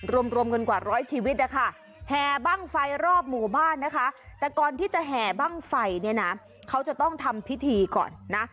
รวมรวมกันกว่าร้อยชีวิตนะคะแห่บ้างไฟรอบหมู่บ้านนะคะแต่ก่อนที่จะแห่บ้างไฟเนี่ยนะเขาจะต้องทำพิธีก่อนนะ